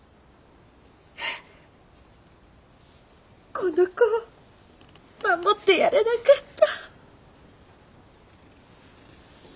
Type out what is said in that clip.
この子を守ってやれなかった。